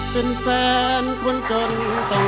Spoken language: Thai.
เป็นแฟนควรจนต้องก่อน